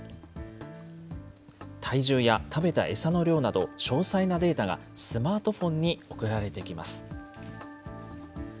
体重や食べた餌の量など、詳細なデータがスマートフォンに送られてきます。